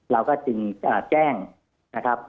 เราก็จึงแจ้งนะครับ